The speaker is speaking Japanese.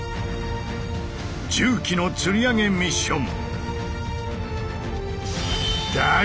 重機のつり上げミッション。